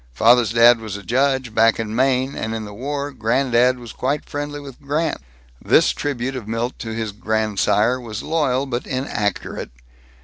Father's dad was a judge, back in Maine, and in the war, grand dad was quite friendly with Grant." This tribute of Milt to his grandsire was loyal but inaccurate.